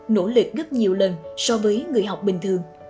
nỗ lực gấp nhiều lần so với người học bình thường